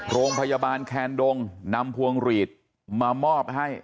โรงพยาบาลแคนดงนำพวงหลีดมามอบให้